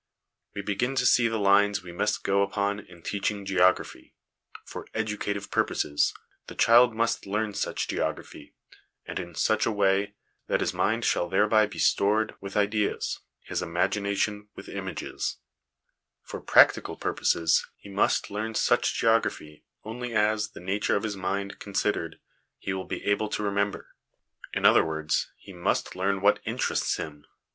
We begin to see the lines we must go upon in teaching geography : for educative purposes, the child must learn such geography, and in such a way, that his mind shall thereby be stored with ideas, his imagination with images ; for practical pur poses he must learn such geography only as, the nature of his mind considered, he will able to remember; in other words, he must learn what interests him.